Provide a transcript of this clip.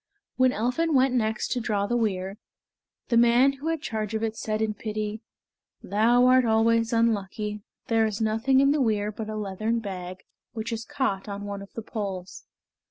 When Elphin went next to draw the weir, the man who had charge of it said in pity, "Thou art always unlucky; there is nothing in the weir but a leathern bag, which is caught on one of the poles."